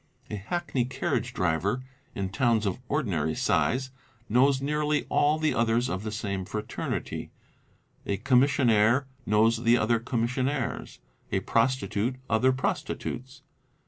A hackney carriage driver, in towns of ordinary size, knows nearly all the others of the same fraternity, a commissionaire knows the other commissionaires, a prostitute other prostitutes.